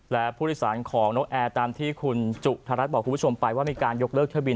และผู้โดยสารของนกแอร์ตามที่คุณจุธรัฐบอกคุณผู้ชมไปว่ามีการยกเลิกทะเบีย